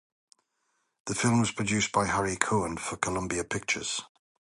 The film was produced by Harry Cohn for Columbia Pictures.